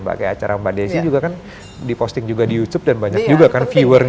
pakai acara mbak desi juga kan diposting juga di youtube dan banyak juga kan viewernya